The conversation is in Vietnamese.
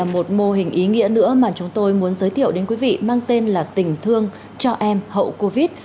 một mô hình ý nghĩa nữa mà chúng tôi muốn giới thiệu đến quý vị mang tên là tình thương cho em hậu covid